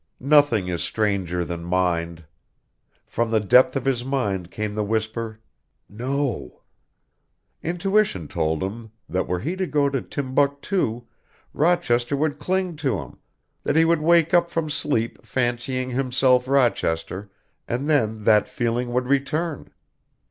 Nothing is stranger than mind. From the depth of his mind came the whisper, "No." Intuition told him that were he to go to Timbuctoo, Rochester would cling to him, that he would wake up from sleep fancying himself Rochester and then that feeling would return.